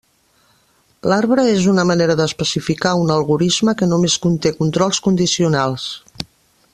L'arbre és una manera d'especificar un algorisme que només conté controls condicionals.